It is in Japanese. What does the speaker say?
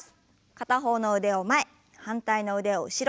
片方の腕を前反対の腕を後ろに。